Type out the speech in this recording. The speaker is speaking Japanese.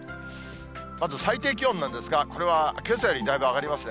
まず最低気温なんですが、これはけさよりだいぶ上がりますね。